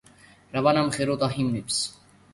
რავანა მღეროდა ჰიმნებს.